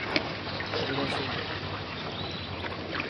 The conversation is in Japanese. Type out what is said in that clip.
謹賀新年